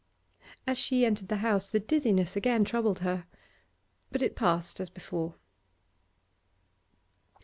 As she entered the house the dizziness again troubled her. But it passed as before.